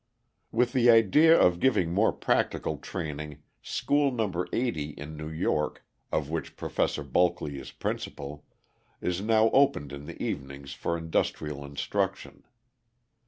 With the idea of giving more practical training School No. 80 in New York, of which Professor Bulkley is principal, is now opened in the evenings for industrial instruction.